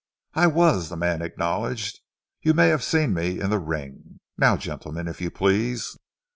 "I was," the man acknowledged. "You may have seen me in the ring. Now, gentlemen, if you please."